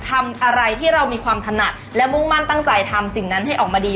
ทำอะไรที่เรามีความถนัดและมุ่งมั่นตั้งใจทำสิ่งนั้นให้ออกมาดี